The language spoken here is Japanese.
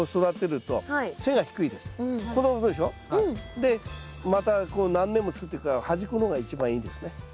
でまた何年も作ってくから端っこの方が一番いいですね。